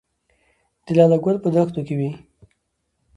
د لاله ګل په دښتو کې وي